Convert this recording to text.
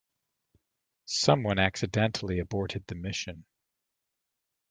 Someone accidentally aborted the mission.